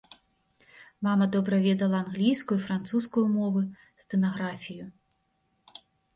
Мама добра ведала англійскую і французскую мовы, стэнаграфію.